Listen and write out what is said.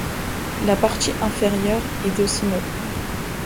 La partie inférieure est de sinople.